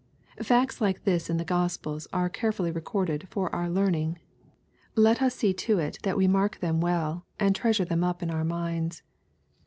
Facts like this in the Gospels are carefully recorded for our learning. Let us see to it that we mark them well, and treasure them up in our minds.